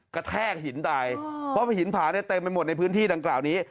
กระแทกหินตายเพราะว่าหินผาเต็มไปหมดในพื้นที่ดังกล่าวนี้